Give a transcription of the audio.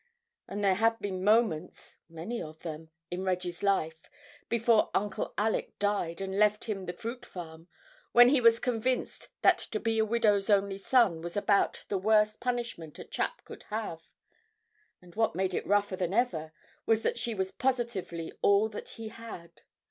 And there had been moments, many of them, in Reggie's life, before Uncle Alick died and left him the fruit farm, when he was convinced that to be a widow's only son was about the worst punishment a chap could have. And what made it rougher than ever was that she was positively all that he had.